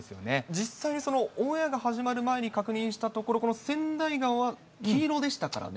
実際に、オンエアが始まる前に確認したところ、川内川は黄色でしたからね。